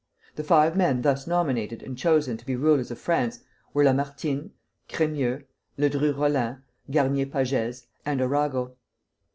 The five men thus nominated and chosen to be rulers of France were Lamartine, Crémieux, Ledru Rollin, Garnier Pagès, and Arago.